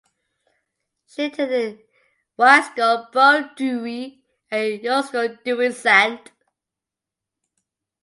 She attended Ysgol Bro Dewi and Ysgol Dewi Sant.